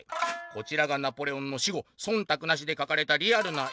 「こちらがナポレオンの死後そんたくなしで描かれたリアルな絵。